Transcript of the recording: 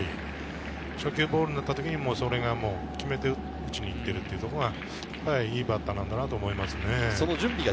初球ボールになったときにそれは決めて打ちに行っているというところはいいバッターなんだなと思いますね。